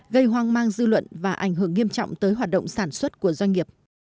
gây hoang mang dư luận và ảnh hưởng nghiêm trọng tới hoạt động sản xuất của doanh nghiệp